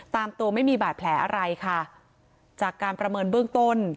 ตามตัวไม่มีบาดแผลอะไรค่ะจากการประเมินเบื้องต้น